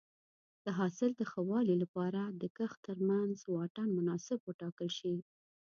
د حاصل د ښه والي لپاره د کښت ترمنځ واټن مناسب وټاکل شي.